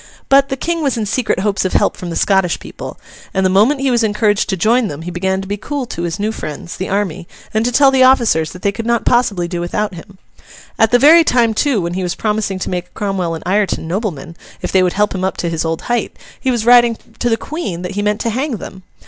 But, the King was in secret hopes of help from the Scottish people; and the moment he was encouraged to join them he began to be cool to his new friends, the army, and to tell the officers that they could not possibly do without him. At the very time, too, when he was promising to make Cromwell and Ireton noblemen, if they would help him up to his old height, he was writing to the Queen that he meant to hang them.